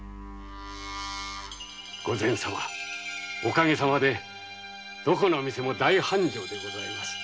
おかげさまでどこの店も大繁盛でございます。